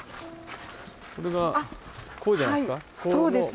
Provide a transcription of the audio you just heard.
これがこうじゃないですか？